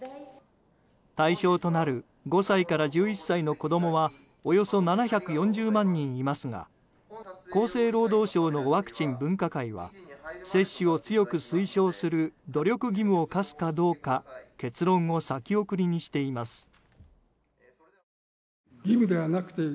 対象となる５歳から１１歳の子供はおよそ７４０万人いますが厚生労働省のワクチン分科会は接種を強く推奨する努力義務を課すかどうか結論を先送りにしています。